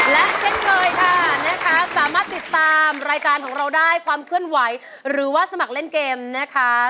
และเช่นเคยค่ะนะคะสามารถติดตามรายการของเราได้ความเคลื่อนไหวหรือว่าสมัครเล่นเกมนะคะ